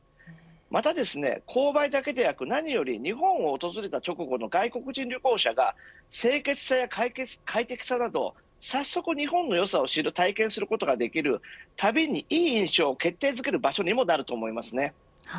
また購買だけでなく何より日本を訪れた直後の外国人旅行者が清潔さや快適さなど早速、日本のよさを体験することができる旅のいい印象を決定づける場所となると思います。